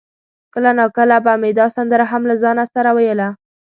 کله ناکله به مې دا سندره هم له ځانه سره ویله.